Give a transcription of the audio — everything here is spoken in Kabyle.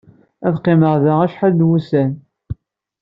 Ad qqimeɣ da acḥal n wussan.